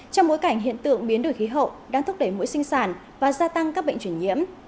trong bối cảnh hiện tượng biến đổi khí hậu đang thúc đẩy mũi sinh sản và gia tăng các bệnh chuyển nhiễm